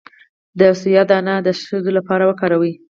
د سویا دانه د ښځو لپاره وکاروئ